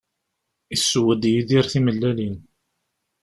Yesseww-d Yidir timellalin.